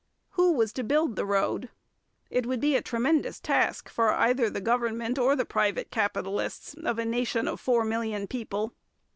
Who was to build the road? It would be a tremendous task for either the government or the private capitalists of a nation of four million people.